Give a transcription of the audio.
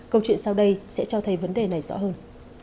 câu chuyện sau đây sẽ cho thấy vấn đề này rõ hơn